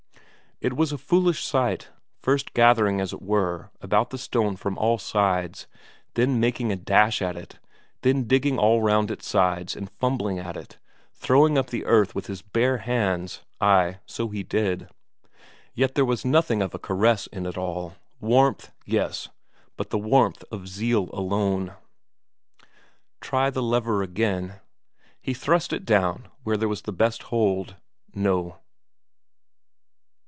It was a foolish sight; first gathering, as it were, about the stone from all sides, then making a dash at it, then digging all round its sides and fumbling at it, throwing up the earth with his bare hands, ay, so he did. Yet there was nothing of a caress in it all. Warmth, yes, but the warmth of zeal alone. Try the lever again? He thrust it down where there was best hold no.